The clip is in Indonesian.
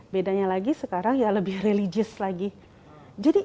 bedanya lagi sekarang lebih religious lagi